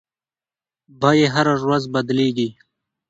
بیې هره ورځ بدلیږي.